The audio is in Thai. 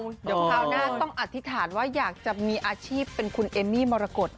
เดี๋ยวคราวหน้าต้องอธิษฐานว่าอยากจะมีอาชีพเป็นคุณเอมมี่มรกฏ